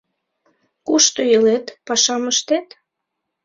Кушто илет, пашам ыштет?